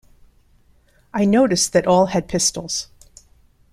I noticed that all had pistols.